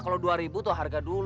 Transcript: kalau dua ribu tuh harga dua ribu aja